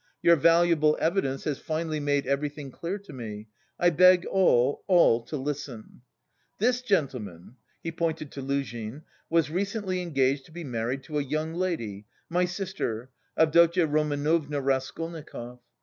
Your valuable evidence has finally made everything clear to me. I beg all, all to listen. This gentleman (he pointed to Luzhin) was recently engaged to be married to a young lady my sister, Avdotya Romanovna Raskolnikov.